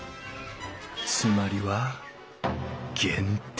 つまりは「限定」